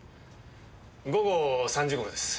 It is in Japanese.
午後３時ごろです。